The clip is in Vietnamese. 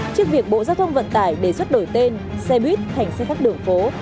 trước việc bộ giao thông vận tải đề xuất đổi tên xe bít thành xe khắc đường phố